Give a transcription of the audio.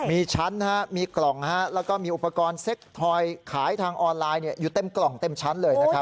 มีชั้นมีกล่องแล้วก็มีอุปกรณ์เซ็กทอยขายทางออนไลน์อยู่เต็มกล่องเต็มชั้นเลยนะครับ